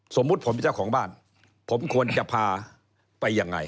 สมมุติผมเป็นเจ้าของบ้านผมควรจะพาไปยังไง